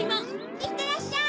・いってらっしゃい！